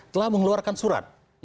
telah mengeluarkan surat